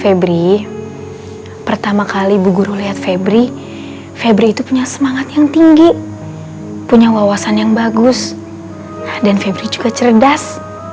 febri pertama kali ibu guru lihat febri febri itu punya semangat yang tinggi punya wawasan yang bagus dan febri juga cerdas